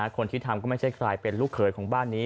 คนที่ทำก็ไม่ใช่ใครเป็นลูกเขยของบ้านนี้